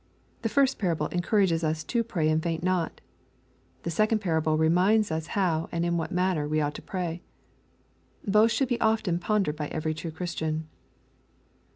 — The first parable encourages us to pray and faint not. The second parable reminds us how and in what man ner we ought to prayv— Both should be often pondered by every true Christian.